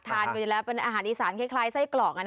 ทานกันอยู่แล้วอาหารดีสารคล้ายไส้กล่อง